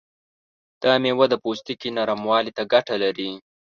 دا میوه د پوستکي نرموالي ته ګټه لري.